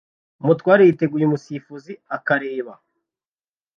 umutware yiteguye umusifuzi akareba